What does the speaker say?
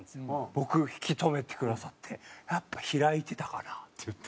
僕を引き留めてくださって「やっぱ開いてたかな？」って言って。